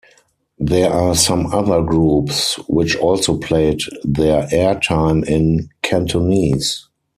There are some other groups which also played their air time in Cantonese.